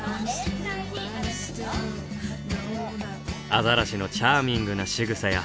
アザラシのチャーミングなしぐさや。